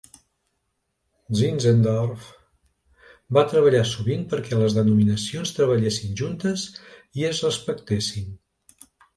Zinzendorf va treballar sovint perquè les denominacions treballessin juntes i es respectessin.